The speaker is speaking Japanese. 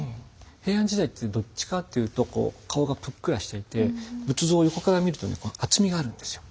平安時代ってどっちかって言うとこう顔がぷっくらしていて仏像を横から見ると厚みがあるんですよ。